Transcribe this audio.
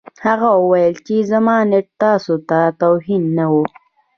هغه وویل چې زما نیت تاسو ته توهین نه و